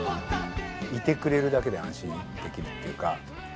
いてくれるだけで安心できるっていうか。